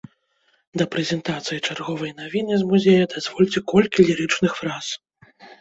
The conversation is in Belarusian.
Да прэзентацыі чарговай навіны з музея дазвольце колькі лірычных фраз.